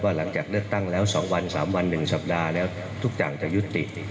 หลังจากเลือกตั้งแล้ว๒วัน๓วัน๑สัปดาห์แล้วทุกอย่างจะยุติ